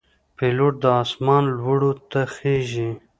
پیلوټ د آسمان لوړو ته خېژي.